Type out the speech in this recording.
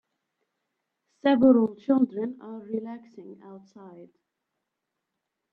Several children are relaxing outside